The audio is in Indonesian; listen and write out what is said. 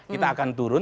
kita akan turun